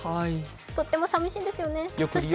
とっても寂しいですよね。